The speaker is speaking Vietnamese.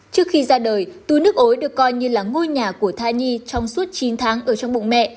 trước khi ra đời túi nước ối được coi như là ngôi nhà của thai nhi trong suốt chín tháng ở trong bụng mẹ